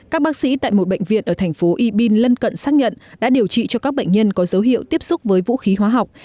các bác sĩ tại một bệnh viện ở thành phố ybin lân cận xác nhận đã điều trị cho các bệnh nhân có dấu hiệu tiếp xúc với vũ khí hóa học